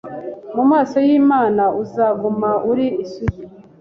Mu maso y’Imana uzaguma uri isugi